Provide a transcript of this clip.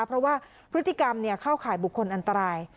เพราะว่าพฤติกรรมเข้าข่ายบุคคลอันตราย